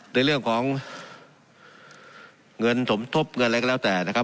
ในเรื่องของเงินสมทบเงินอะไรก็แล้วแต่นะครับ